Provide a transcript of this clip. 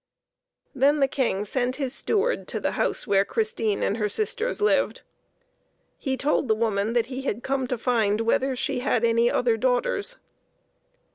Then the King sent his steward to the house where Christine and her sisters lived. He told the woman that he had come to find whether she had any other daughters.